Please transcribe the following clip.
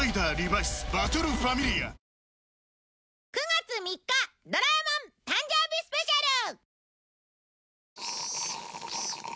９月３日『ドラえもん』誕生日スペシャル！